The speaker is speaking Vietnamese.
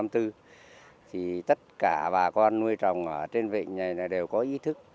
thì tất cả bà con nuôi trồng ở trên vịnh này đều có ý thức